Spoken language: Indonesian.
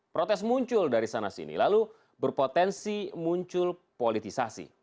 protes muncul dari sana sini lalu berpotensi muncul politisasi